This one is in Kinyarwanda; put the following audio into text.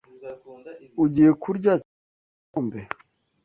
Ugiye kurya kiriya gikombe?